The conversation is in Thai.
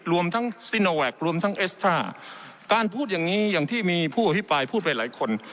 รวมทั้งซิโนแวครวมทั้งเอสตราการพูดอย่างนี้อย่างที่มีผู้อภิปรายพูดไปหลายคน